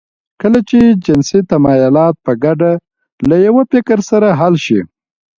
کله چې جنسي تمايلات په ګډه له يوه فکر سره حل شي.